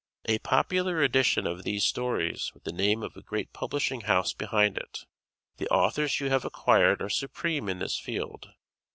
A popular edition of these stories with the name of a great publishing house behind it. The authors you have acquired are supreme in this field.